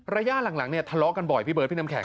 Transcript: ระยะหลังเนี่ยทะเลาะกันบ่อยพี่เบิร์ดพี่น้ำแข